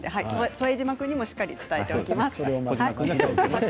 副島君にもしっかりと伝えておきます。